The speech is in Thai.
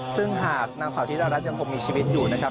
ซึ่งหากนางสาวธิดารัฐยังคงมีชีวิตอยู่นะครับ